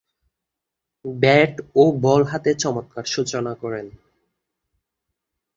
Bat ও ball হাতে চমৎকার সূচনা করেন।